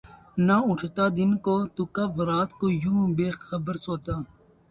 نہ لٹتا دن کو‘ تو کب رات کو یوں بے خبر سوتا!